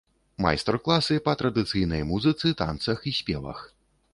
Майстар-класы па традыцыйнай музыцы, танцах і спевах.